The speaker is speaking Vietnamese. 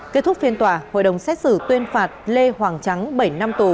kết thúc phiên tòa hội đồng xét xử tuyên phạt lê hoàng trắng bảy năm tù